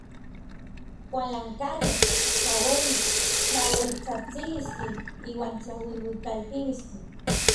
Kualankayotl, tlaueli, tlaueltsajtsilistli iuan tlauijuikaltilistli.